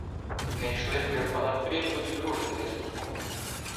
Ми йшли вже понад прірвою другим виступом.